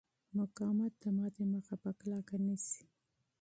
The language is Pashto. مقاومت د ماتې مخه په کلکه نیسي.